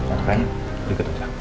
oke diketuk aja